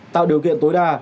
tạo điều kiện tối đa